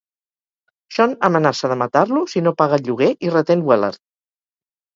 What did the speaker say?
Sean amenaça de matar-lo si no paga el lloguer i reten Wellard.